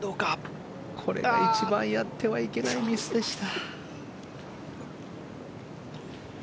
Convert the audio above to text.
これが一番やってはいけないミスでした。